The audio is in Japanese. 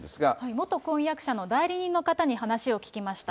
元婚約者の代理人の方に話を聞きました。